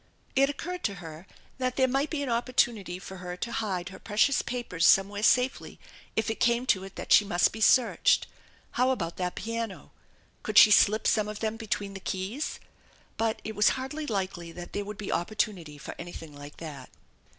It occurred to her that there might be an opportunity for her to hide her precious papers some where safely if it came to it that she must be searched. How about that piano? Could she slip some of them between the keys? But it was hardly likely that there would be oppor tunity for anything like that.